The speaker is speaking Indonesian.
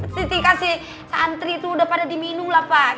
siti kasih santri itu udah pada diminum lah pak